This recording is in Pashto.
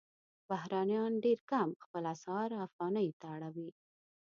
بهرنیان ډېر کم خپل اسعار افغانیو ته اړوي.